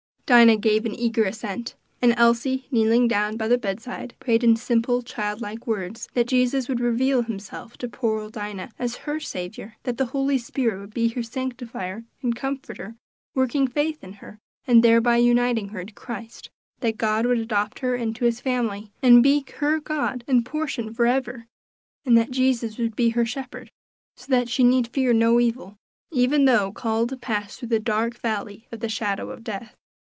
Dinah gave an eager assent; and Elsie, kneeling down by the bedside, prayed in simple, childlike words that Jesus would reveal himself to poor old Dinah, as her Saviour; that the Holy Spirit would be her sanctifier and comforter, working faith in her, and thereby uniting her to Christ; that God would adopt her into his family, and be her God and portion forever; and that Jesus would be her shepherd, so that she need fear no evil, even though called to pass through the dark valley of the shadow of death.